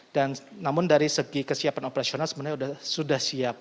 namun dari segi kesiapan operasional sebenarnya sudah siap